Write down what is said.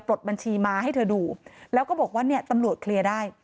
บัญชีมาให้เธอดูแล้วก็บอกว่าเนี่ยตำรวจเคลียร์ได้